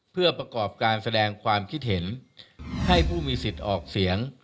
เพื่อประกอบการแสดงความคิดเห็นให้ผู้มีสิทธิ์ออกเสียง